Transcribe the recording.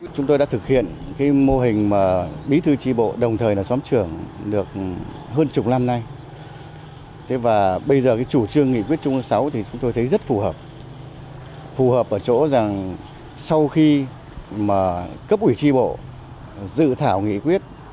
chúng tôi thấy rất phù hợp phù hợp ở chỗ rằng sau khi mà cấp ủy tri bộ dự thảo nghị quyết